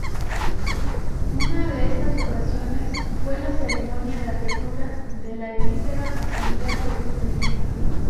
Una de estas ocasiones fue la ceremonia de apertura de la efímera Asamblea Constituyente.